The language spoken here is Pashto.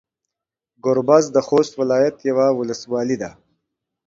ګوربز د خوست ولايت يوه ولسوالي ده.